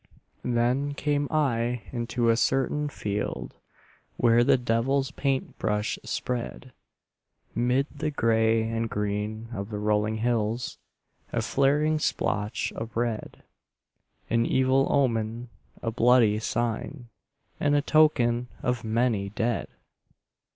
Then came I into a certain field Where the devil's paint brush spread 'Mid the gray and green of the rolling hills A flaring splotch of red, An evil omen, a bloody sign, And a token of many dead.